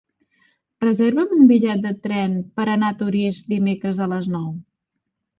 Reserva'm un bitllet de tren per anar a Torís dimecres a les nou.